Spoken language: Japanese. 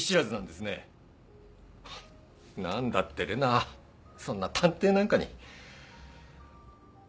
何だって玲奈はそんな探偵なんかに。